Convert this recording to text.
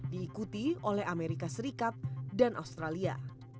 diikuti oleh amerika serikat dan australia